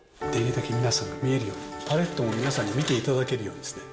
できるだけ皆さんが見えるように、パレットも皆さんに見ていただけるように。